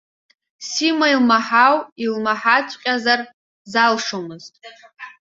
Сима илмаҳау илмаҳаҵәҟьазар залшомызт?!